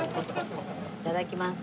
いただきます。